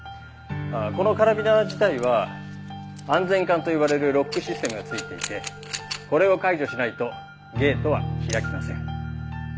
このカラビナ自体は安全環と呼ばれるロックシステムがついていてこれを解除しないとゲートは開きません。